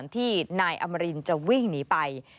ที่นายอมรินจะวิ่งหนีไป